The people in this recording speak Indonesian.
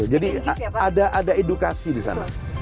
ada edukasi di sana